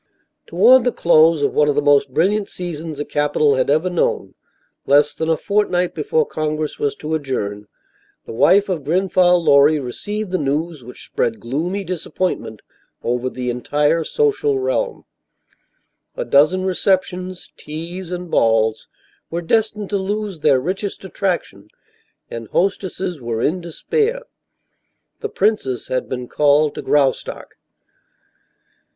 Toward the close of one of the most brilliant seasons the Capital had ever known, less than a fortnight before Congress was to adjourn, the wife of Grenfall Lorry received the news which spread gloomy disappointment over the entire social realm. A dozen receptions, teas and balls were destined to lose their richest attraction, and hostesses were in despair. The princess had been called to Graustark.